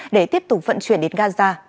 để tiếp tục vận chuyển đến gaza